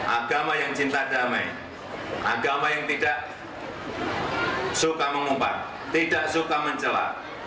agama yang cinta damai agama yang tidak suka mengumpat tidak suka mencelah